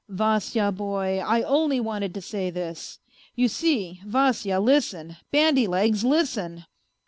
" Vasya, boy, I only wanted to say this. You see, Vasya listen, bandy legs, listen